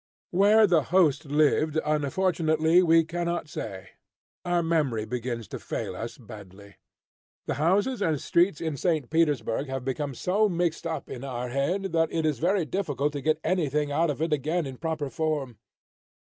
Where the host lived, unfortunately we cannot say. Our memory begins to fail us badly. The houses and streets in St. Petersburg have become so mixed up in our head that it is very difficult to get anything out of it again in proper form.